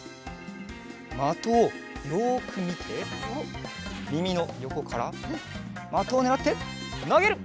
まとをよくみてみみのよこからまとをねらってなげる。